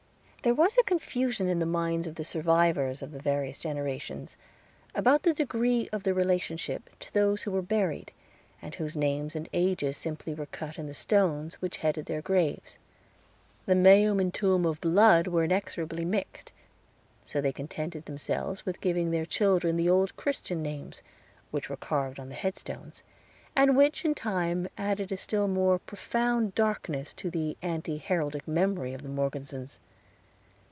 There was a confusion in the minds of the survivors of the various generations about the degree of their relationship to those who were buried, and whose names and ages simply were cut in the stones which headed their graves. The meum and tuum of blood were inextricably mixed; so they contented themselves with giving their children the old Christian names which were carved on the headstones, and which, in time, added a still more profound darkness to the anti heraldic memory of the Morgesons.